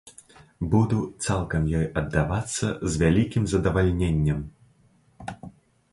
Буду цалкам ёй аддавацца, з вялікім задавальненнем.